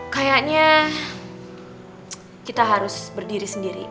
kayaknya kita harus berdiri sendiri